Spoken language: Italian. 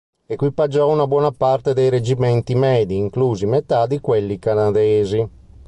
Equipaggiò una buona parte dei reggimenti medi, inclusi metà di quelli canadesi.